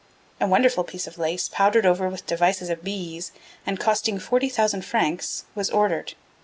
A wonderful piece of lace, powdered over with devices of bees, and costing 40,000 francs, was ordered.